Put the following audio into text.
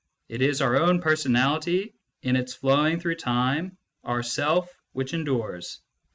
It is our own personality in its flowing through time our self which endures " (p.